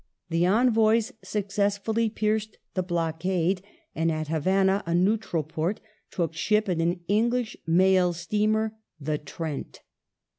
The envoys successfully pierced the blockade, and at Havanna, a neutral port, took ship in an English mail steamer, the Trent.